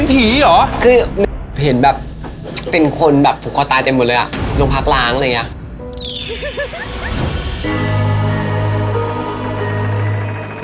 ผีเหรอคือเห็นแบบเป็นคนแบบผูกคอตายเต็มหมดเลยอ่ะโรงพักล้างอะไรอย่างนี้